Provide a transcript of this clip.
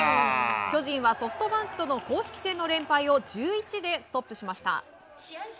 巨人はソフトバンクとの公式戦の連敗を１１でストップしました。